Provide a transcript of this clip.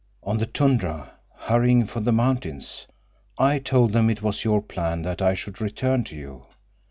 "On the tundra, hurrying for the mountains. I told them it was your plan that I should return to you.